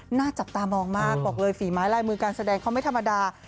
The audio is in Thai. หน้าจับตามองมากบอกเลยฝีไม้ลายมือการแสดงเขาไม่ธรรมดา